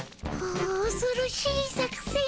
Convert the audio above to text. おおそろしい作戦っピ。